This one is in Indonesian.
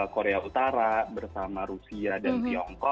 karena sebenarnya oferingnya oleh amerika